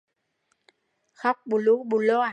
Khóc bù lu bù loa